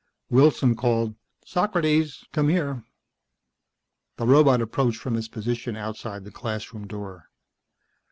Wilson called, "Socrates! Come here!" The robot approached from his position outside the classroom door.